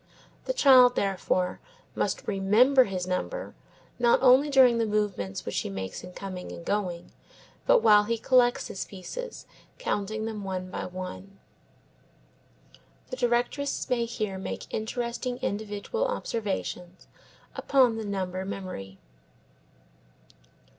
The child, therefore, must remember his number not only during the movements which he makes in coming and going, but while he collects his pieces, counting them one by one. The directress may here make interesting individual observations upon the number memory.